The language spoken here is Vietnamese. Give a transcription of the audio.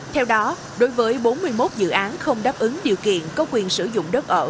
theo đó đối với bốn mươi một dự án không đáp ứng điều kiện có quyền sử dụng đất ở